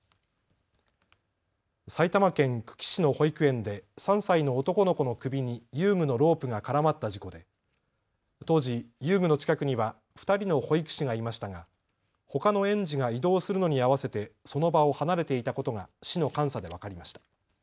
埼玉県久喜市の保育園で３歳の男の子の首に遊具のロープが絡まった事故で当時、遊具の近くには２人の保育士がいましたがほかの園児が移動するのに合わせてその場を離れていたことが市の監査で分かりました。